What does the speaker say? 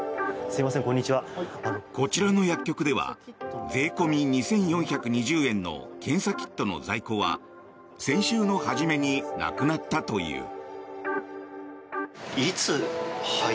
こちらの薬局では税込み２４２０円の検査キットの在庫は先週の初めになくなったという。